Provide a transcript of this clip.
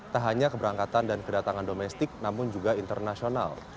tak hanya keberangkatan dan kedatangan domestik namun juga internasional